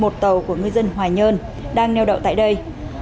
một tàu của ngư dân hoài nhơn đang neo đậu tại đây